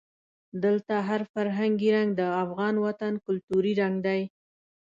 دلته هر فرهنګي رنګ د افغان وطن کلتوري رنګ دی.